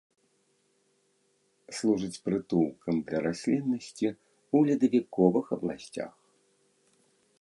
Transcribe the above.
Служыць прытулкам для расліннасці ў ледавіковых абласцях.